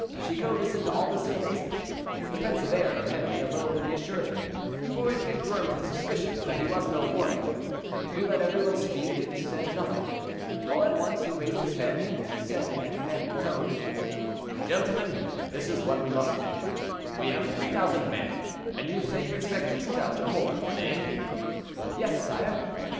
Chicot listened to all this in amazement. The pensive air of Henri alone reassured him, for it confirmed his suspicions that he was no warrior. He let every one speak, and said nothing. All at once he raised his head, and said in a commanding tone: "Gentlemen, this is what we must do. We have 3,000 men, and you say you expect 2,000 more, Mornay?" "Yes, sire."